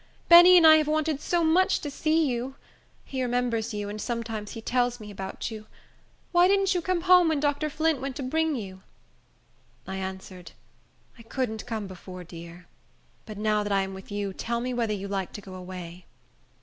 Benny and I have wanted so much to see you! He remembers you, and sometimes he tells me about you. Why didn't you come home when Dr. Flint went to bring you?" I answered, "I couldn't come before, dear. But now that I am with you, tell me whether you like to go away."